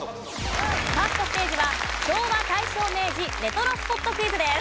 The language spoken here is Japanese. ファーストステージは昭和・大正・明治レトロスポットクイズです。